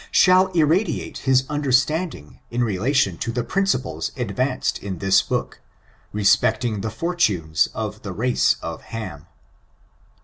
m shall irradiate his understanding in relation to the | principles advanced in this book, respecting the for times of the race of Ham.